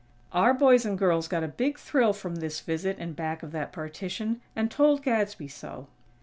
Our boys and girls got a big thrill from this visit in back of that partition, and told Gadsby so.